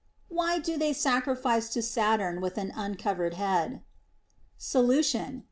Why do they sacrifice to Saturn with an uncovered head 1 Solution.